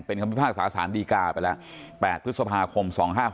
เป็นคำพิพากษาสารดีกาไปแล้ว๘พฤษภาคม๒๕๖๖